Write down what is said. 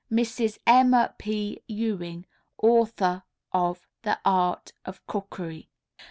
_Mrs. Emma P. Ewing, author of "The Art of Cookery."